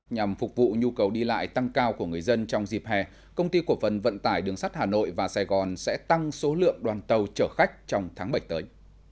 nhằm phục vụ nhu cầu đi lại tăng cao của người dân trong dịp hè công ty cổ phần vận tải đường sắt hà nội và sài gòn sẽ tăng số lượng đoàn tàu chở khách trong tháng bảy tới